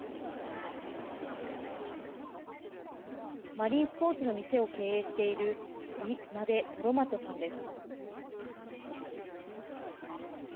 マリンスポーツの店を経営しているイ・マデ・トロマットさんです。